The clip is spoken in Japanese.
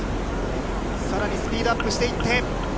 さらにスピードアップしていって。